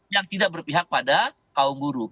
yang tidak berpihak pada kaum buruh